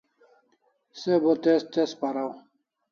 Se bo tez tez paraw